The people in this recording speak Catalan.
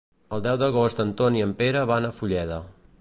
El deu d'agost en Ton i en Pere van a Fulleda.